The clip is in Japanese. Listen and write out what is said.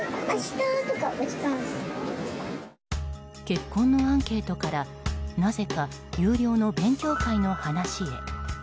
結婚のアンケートからなぜか有料の勉強会の話へ。